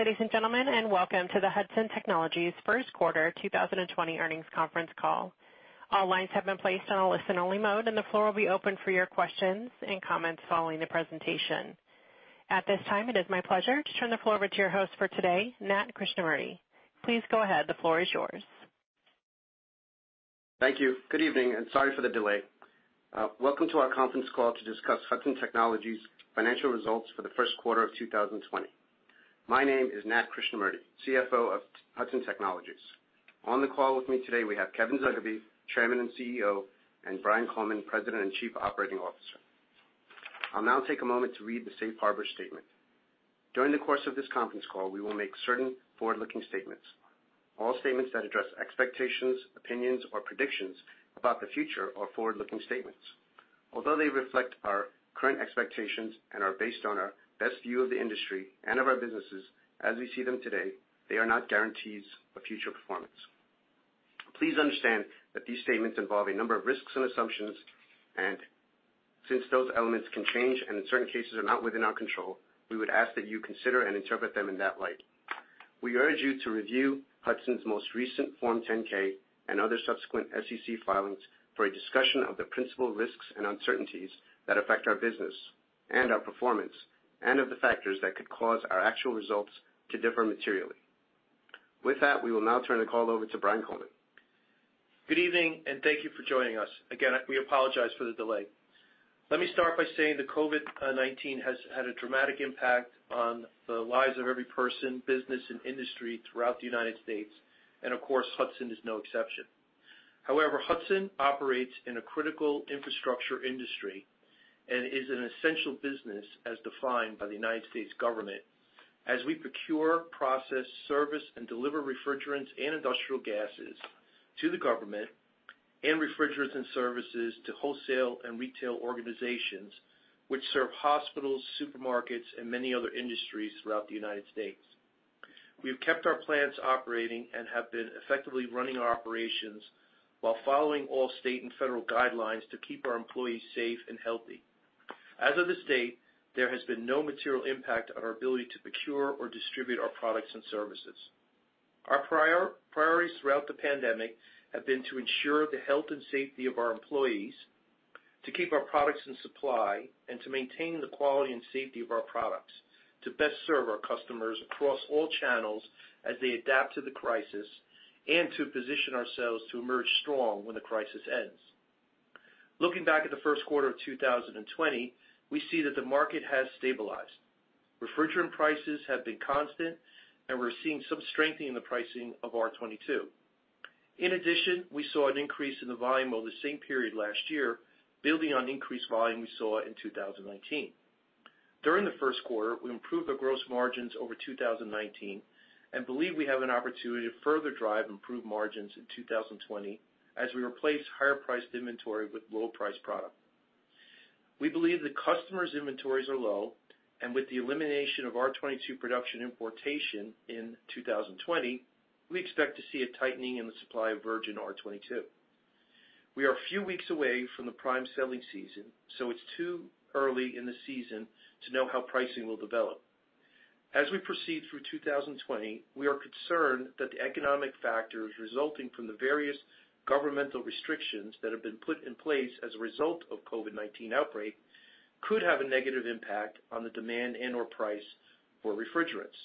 Good day, ladies and gentlemen, welcome to the Hudson Technologies first quarter 2020 earnings conference call. All lines have been placed on a listen-only mode, and the floor will be open for your questions and comments following the presentation. At this time, it is my pleasure to turn the floor over to your host for today, Nat Krishnamurti. Please go ahead. The floor is yours. Thank you. Good evening, and sorry for the delay. Welcome to our conference call to discuss Hudson Technologies financial results for the first quarter of 2020. My name is Nat Krishnamurti, CFO of Hudson Technologies. On the call with me today, we have Kevin Zugibe, Chairman and CEO, and Brian Coleman, President and Chief Operating Officer. I'll now take a moment to read the safe harbor statement. During the course of this conference call, we will make certain forward-looking statements. All statements that address expectations, opinions, or predictions about the future are forward-looking statements. Although they reflect our current expectations and are based on our best view of the industry and of our businesses as we see them today, they are not guarantees of future performance. Please understand that these statements involve a number of risks and assumptions, and since those elements can change and in certain cases are not within our control, we would ask that you consider and interpret them in that light. We urge you to review Hudson's most recent Form 10-K and other subsequent SEC filings for a discussion of the principal risks and uncertainties that affect our business and our performance, and of the factors that could cause our actual results to differ materially. With that, we will now turn the call over to Brian Coleman. Good evening, and thank you for joining us. Again, we apologize for the delay. Let me start by saying that COVID-19 has had a dramatic impact on the lives of every person, business, and industry throughout the United States, and of course, Hudson is no exception. However, Hudson operates in a critical infrastructure industry and is an essential business as defined by the United States government as we procure, process, service, and deliver refrigerants and industrial gases to the government and refrigerants and services to wholesale and retail organizations which serve hospitals, supermarkets, and many other industries throughout the United States. We have kept our plants operating and have been effectively running our operations while following all state and federal guidelines to keep our employees safe and healthy. As of this date, there has been no material impact on our ability to procure or distribute our products and services, Our priorities throughout the pandemic have been to ensure the health and safety of our employees, to keep our products in supply, and to maintain the quality and safety of our products to best serve our customers across all channels as they adapt to the crisis and to position ourselves to emerge strong when the crisis ends. Looking back at the first quarter of 2020, we see that the market has stabilized. Refrigerant prices have been constant, and we're seeing some strengthening in the pricing of R-22. In addition, we saw an increase in the volume over the same period last year, building on increased volume we saw in 2019. During the first quarter, we improved our gross margins over 2019 and believe we have an opportunity to further drive improved margins in 2020 as we replace higher-priced inventory with lower-priced product. We believe the customers' inventories are low, and with the elimination of R-22 production importation in 2020, we expect to see a tightening in the supply of virgin R-22. We are a few weeks away from the prime selling season, so it's too early in the season to know how pricing will develop. As we proceed through 2020, we are concerned that the economic factors resulting from the various governmental restrictions that have been put in place as a result of COVID-19 outbreak could have a negative impact on the demand and/or price for refrigerants.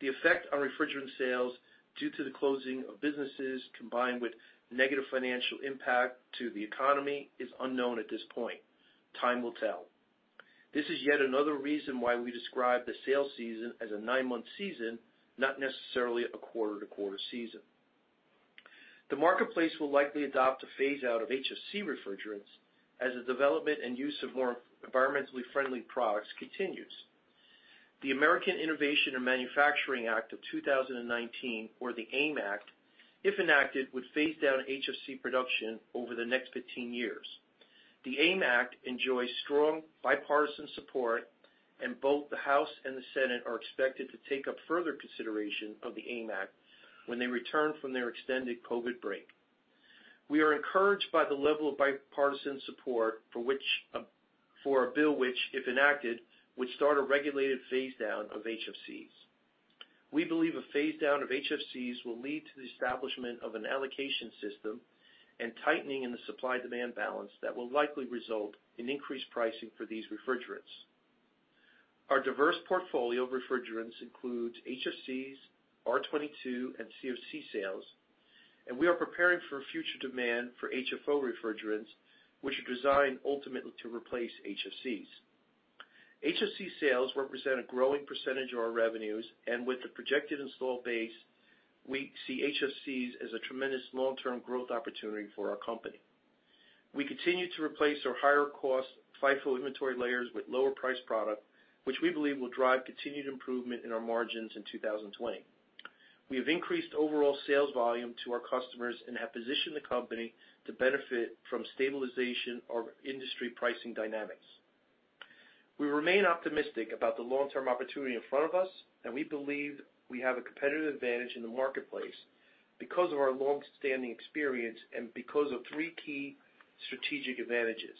The effect on refrigerant sales due to the closing of businesses, combined with negative financial impact to the economy, is unknown at this point. Time will tell. This is yet another reason why we describe the sales season as a nine-month season, not necessarily a quarter-to-quarter season. The marketplace will likely adopt a phase-out of HFC refrigerants as the development and use of more environmentally friendly products continues. The American Innovation and Manufacturing Act of 2019, or the AIM Act, if enacted, would phase down HFC production over the next 15 years. The AIM Act enjoys strong bipartisan support, and both the House and the Senate are expected to take up further consideration of the AIM Act when they return from their extended COVID break. We are encouraged by the level of bipartisan support for a bill which, if enacted, would start a regulated phase-down of HFCs. We believe a phase-down of HFCs will lead to the establishment of an allocation system and tightening in the supply-demand balance that will likely result in increased pricing for these refrigerants. Our diverse portfolio of refrigerants includes HFCs, R-22, and CFC sales, and we are preparing for future demand for HFO refrigerants, which are designed ultimately to replace HFCs. HFC sales represent a growing percentage of our revenues, and with the projected install base, we see HFCs as a tremendous long-term growth opportunity for our company. We continue to replace our higher-cost FIFO inventory layers with lower-priced product, which we believe will drive continued improvement in our margins in 2020. We have increased overall sales volume to our customers and have positioned the company to benefit from stabilization of industry pricing dynamics. We remain optimistic about the long-term opportunity in front of us, and we believe we have a competitive advantage in the marketplace because of our longstanding experience and because of three key strategic advantages.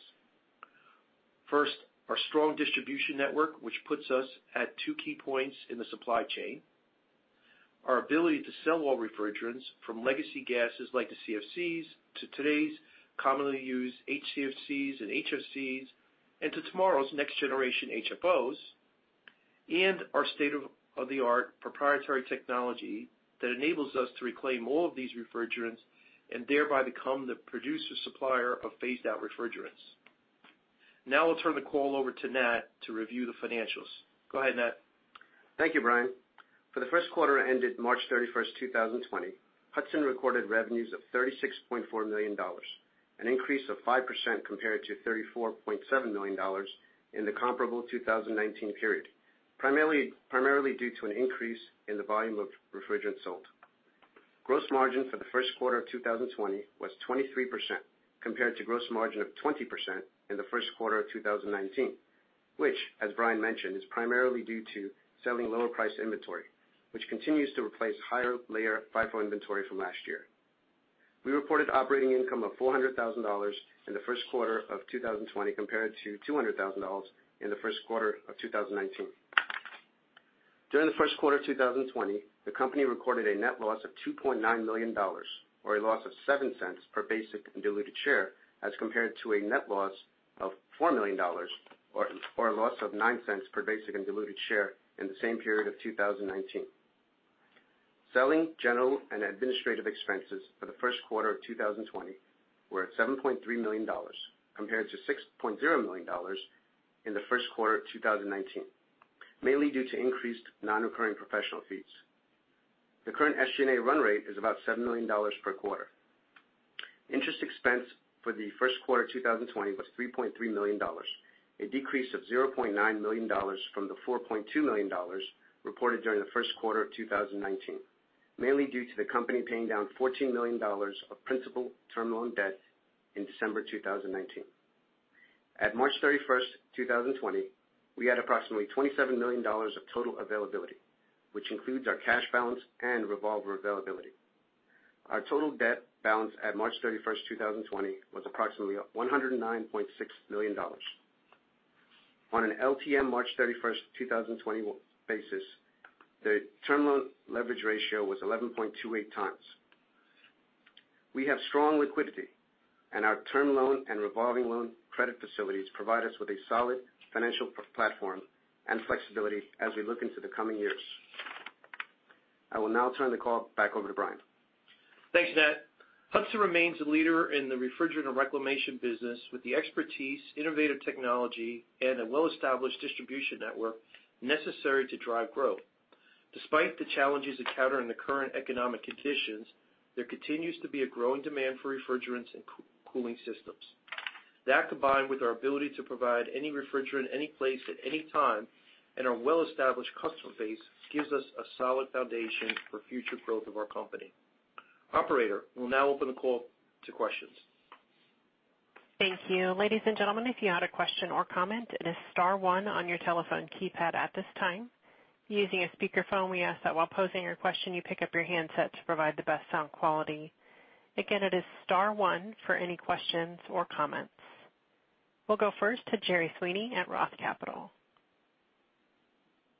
First, our strong distribution network, which puts us at two key points in the supply chain, our ability to sell all refrigerants from legacy gases like the CFCs to today's commonly used HCFCs and HFCs, and to tomorrow's next generation HFOs, and our state-of-the-art proprietary technology that enables us to reclaim all of these refrigerants and thereby become the producer supplier of phased-out refrigerants. Now I'll turn the call over to Nat to review the financials. Go ahead, Nat. Thank you, Brian. For the first quarter ended March 31st, 2020, Hudson recorded revenues of $36.4 million, an increase of 5% compared to $34.7 million in the comparable 2019 period, primarily due to an increase in the volume of refrigerants sold. Gross margin for the first quarter of 2020 was 23% compared to gross margin of 20% in the first quarter of 2019, which, as Brian mentioned, is primarily due to selling lower priced inventory, which continues to replace higher LIFO inventory from last year. We reported operating income of $400,000 in the first quarter of 2020 compared to $200,000 in the first quarter of 2019. During the first quarter of 2020, the company recorded a net loss of $2.9 million, or a loss of $0.07 per basic and diluted share, as compared to a net loss of $4 million, or a loss of $0.09 per basic and diluted share in the same period of 2019. Selling, general and administrative expenses for the first quarter of 2020 were at $7.3 million, compared to $6.0 million in the first quarter of 2019, mainly due to increased non-recurring professional fees. The current SG&A run rate is about $7 million per quarter. Interest expense for the first quarter 2020 was $3.3 million, a decrease of $0.9 million from the $4.2 million reported during the first quarter of 2019, mainly due to the company paying down $14 million of principal term loan debt in December 2019. At March 31st, 2020, we had approximately $27 million of total availability, which includes our cash balance and revolver availability. Our total debt balance at March 31st, 2020, was approximately $109.6 million. On an LTM March 31st, 2020, basis, the term loan leverage ratio was 11.28x. We have strong liquidity, and our term loan and revolving loan credit facilities provide us with a solid financial platform and flexibility as we look into the coming years. I will now turn the call back over to Brian. Thanks, Nat. Hudson remains a leader in the refrigerant and reclamation business with the expertise, innovative technology, and a well-established distribution network necessary to drive growth. Despite the challenges encountered in the current economic conditions, there continues to be a growing demand for refrigerants and cooling systems. That, combined with our ability to provide any refrigerant, any place, at any time, and our well-established customer base, gives us a solid foundation for future growth of our company. Operator, we'll now open the call to questions. Thank you. Ladies and gentlemen, if you had a question or comment, it is star one on your telephone keypad at this time. If you're using a speakerphone, we ask that while posing your question, you pick up your handset to provide the best sound quality. Again, it is star one for any questions or comments. We'll go first to Gerry Sweeney at Roth Capital.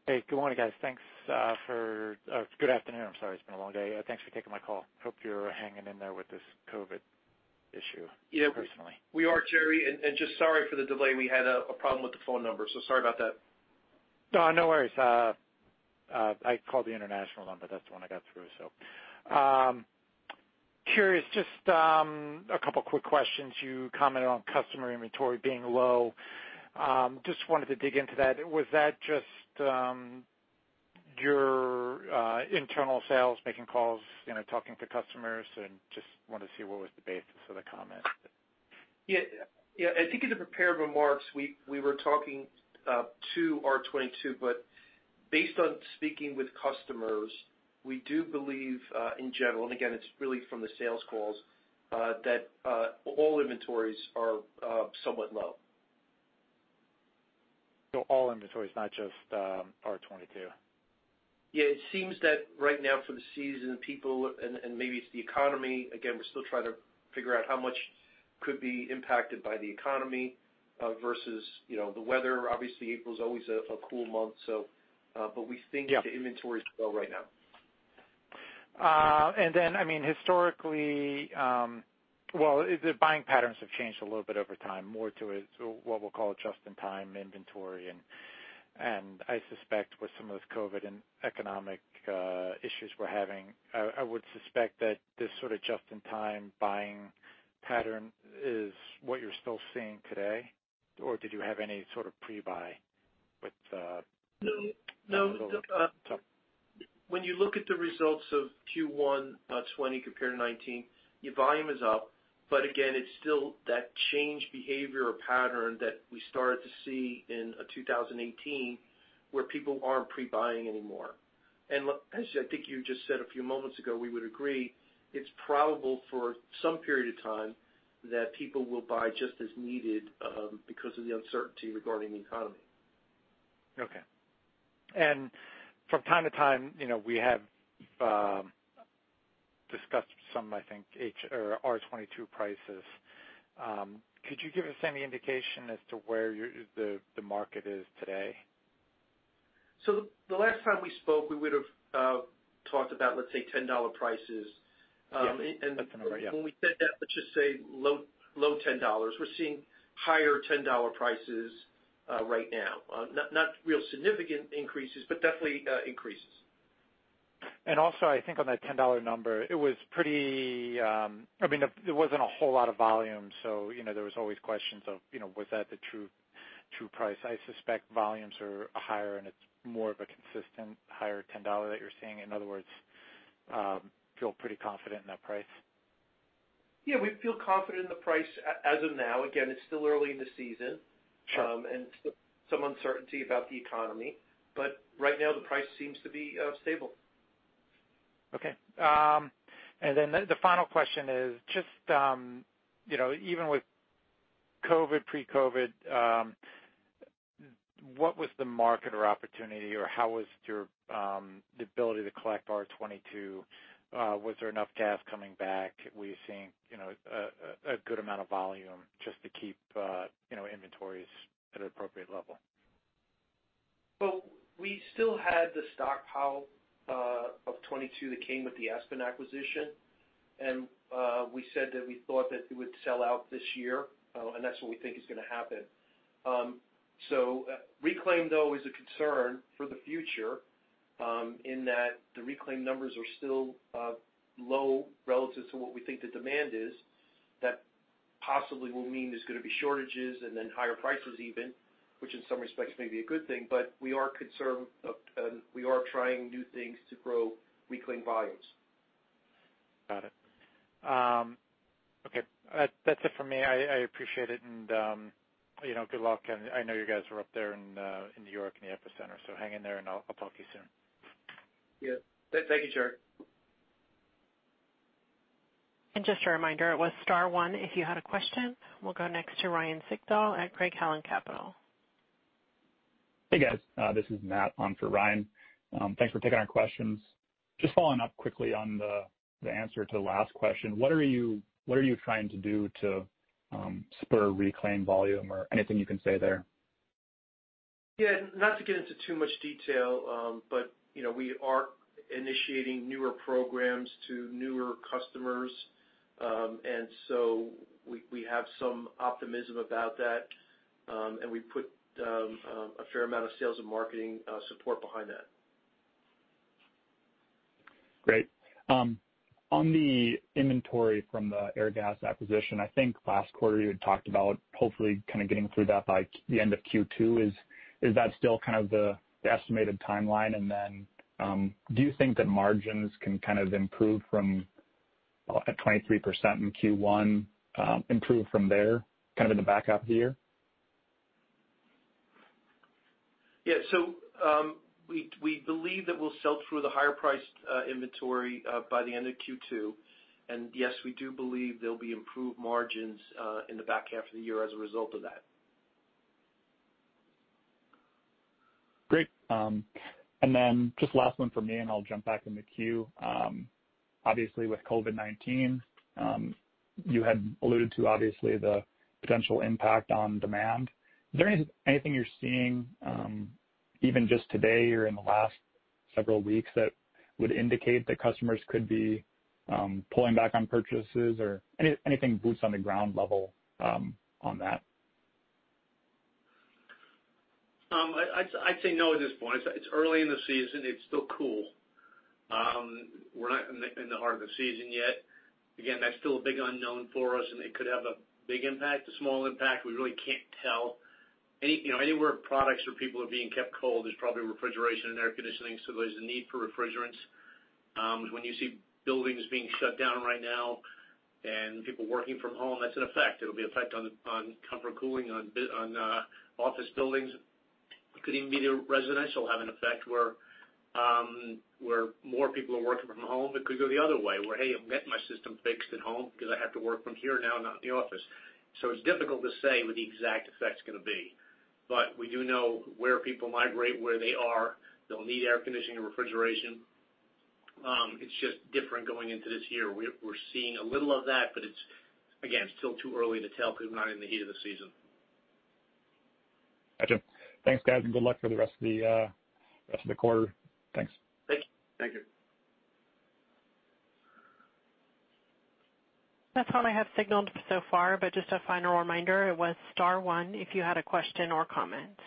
Hey, good morning, guys. Good afternoon. I'm sorry, it's been a long day. Thanks for taking my call. Hope you're hanging in there with this COVID issue personally. We are, Gerry. Just sorry for the delay. We had a problem with the phone number, so sorry about that. No worries. I called the international number. That's the one I got through, so. Curious, just a couple of quick questions. You commented on customer inventory being low. Just wanted to dig into that. Was that just your internal sales, making calls, talking to customers, and just wanted to see what was the basis of the comment? Yeah. I think in the prepared remarks, we were talking to R-22. Based on speaking with customers, we do believe, in general, and again, it's really from the sales calls, that all inventories are somewhat low. All inventories, not just R-22. It seems that right now for the season, people, and maybe it's the economy, again, we're still trying to figure out how much could be impacted by the economy versus the weather. Obviously, April is always a cool month. Yeah. We think the inventories are low right now. Historically, the buying patterns have changed a little bit over time, more to what we'll call a just-in-time inventory. I suspect with some of this COVID and economic issues we're having, I would suspect that this sort of just-in-time buying pattern is what you're still seeing today. Did you have any sort of pre-buy with- No. Okay. When you look at the results of Q1 2020 compared to 2019, your volume is up, but again, it's still that change behavior or pattern that we started to see in 2018 where people aren't pre-buying anymore. As I think you just said a few moments ago, we would agree, it's probable for some period of time that people will buy just as needed because of the uncertainty regarding the economy. Okay. From time to time, we have discussed some, I think, H or R-22 prices. Could you give us any indication as to where the market is today? The last time we spoke, we would've talked about, let's say, $10 prices. Yeah. That's about right, yeah. When we said that, let's just say low $10. We're seeing higher $10 prices right now. Not real significant increases, but definitely increases. Also, I think on that $10 number, it wasn't a whole lot of volume. There was always questions of was that the true price? I suspect volumes are higher and it's more of a consistent higher $10 that you're seeing. In other words, I feel pretty confident in that price. Yeah, we feel confident in the price as of now. Again, it's still early in the season. Some uncertainty about the economy. Right now, the price seems to be stable. Okay. The final question is just, even with COVID, pre-COVID, what was the market or opportunity, or how was the ability to collect R-22? Was there enough gas coming back? Were you seeing a good amount of volume just to keep inventories at an appropriate level? We still had the stockpile of 22 that came with the Aspen acquisition, and we said that we thought that it would sell out this year. That's what we think is going to happen. Reclaim, though, is a concern for the future, in that the reclaim numbers are still low relative to what we think the demand is. That possibly will mean there's going to be shortages and then higher prices even, which in some respects may be a good thing, but we are trying new things to grow reclaim volumes. Got it. Okay. That's it for me. I appreciate it, and good luck. I know you guys are up there in New York in the epicenter, so hang in there and I'll talk to you soon. Yeah. Thank you, Gerry. Just a reminder, it was star one if you had a question. We'll go next to Ryan Sigdahl at Craig-Hallum Capital. Hey, guys. This is Matt on for Ryan. Thanks for taking our questions. Just following up quickly on the answer to the last question, what are you trying to do to spur reclaim volume? Anything you can say there? Yeah. Not to get into too much detail, we are initiating newer programs to newer customers. We have some optimism about that. We put a fair amount of sales and marketing support behind that. Great. On the inventory from the Airgas acquisition, I think last quarter you had talked about hopefully kind of getting through that by the end of Q2. Do you think that margins can kind of improve from at 23% in Q1, improve from there kind of in the back half of the year? Yeah. We believe that we'll sell through the higher priced inventory by the end of Q2. Yes, we do believe there'll be improved margins in the back half of the year as a result of that. Great. Just last one from me, I'll jump back in the queue. Obviously, with COVID-19, you had alluded to, obviously, the potential impact on demand. Is there anything you're seeing, even just today or in the last several weeks, that would indicate that customers could be pulling back on purchases or anything boots on the ground level on that? I'd say no at this point. It's early in the season. It's still cool. We're not in the heart of the season yet. Again, that's still a big unknown for us and it could have a big impact, a small impact. We really can't tell. Anywhere products or people are being kept cold, there's probably refrigeration and air conditioning, so there's a need for refrigerants. When you see buildings being shut down right now and people working from home, that's an effect. It'll be effect on comfort cooling on office buildings. It could even be the residential have an effect where more people are working from home. It could go the other way, where, hey, I'm getting my system fixed at home because I have to work from here now, not in the office. It's difficult to say what the exact effect's going to be, but we do know where people migrate, where they are, they'll need air conditioning and refrigeration. It's just different going into this year. We're seeing a little of that, but it's, again, still too early to tell because we're not in the heat of the season. Gotcha. Thanks, guys, and good luck for the rest of the quarter. Thanks. Thank you. That's all I have signaled so far, just a final reminder, it was star one if you had a question or comment.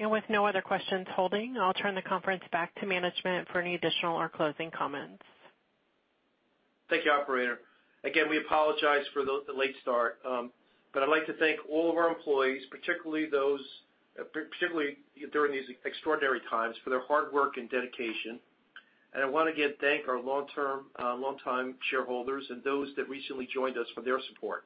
With no other questions holding, I'll turn the conference back to management for any additional or closing comments. Thank you, operator. We apologize for the late start. I'd like to thank all of our employees, particularly during these extraordinary times, for their hard work and dedication. I want to, again, thank our longtime shareholders and those that recently joined us for their support.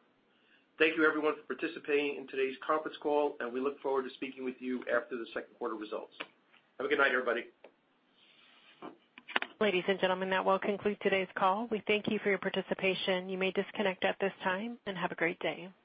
Thank you everyone for participating in today's conference call, and we look forward to speaking with you after the second quarter results. Have a good night, everybody. Ladies and gentlemen, that will conclude today's call. We thank you for your participation. You may disconnect at this time, and have a great day.